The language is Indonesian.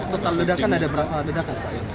tetap ledakan ada berapa ledakan pak